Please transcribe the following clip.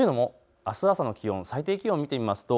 あす朝の気温、最低気温を見てみます。